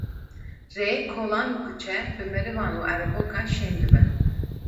Rê, kolan û kuçe bi merivan û erebokan şên dibe.